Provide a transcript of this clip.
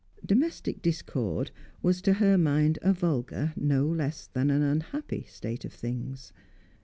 Domestic discord was to her mind a vulgar, no less than an unhappy, state of things.